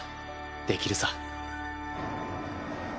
できるさ。